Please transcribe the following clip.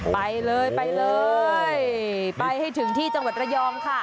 ไปเลยไปเลยไปให้ถึงที่จังหวัดระยองค่ะ